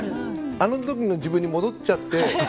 あの時の自分に戻っちゃって。